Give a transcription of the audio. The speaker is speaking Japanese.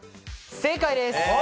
正解です。